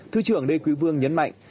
thư trưởng lê quý vương nhấn mạnh